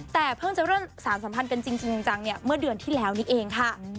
แต่เพิ่งจะเรื่องสารสัมพันธ์กันจริงจังเนี่ยเมื่อเดือนที่แล้วนี่เองค่ะ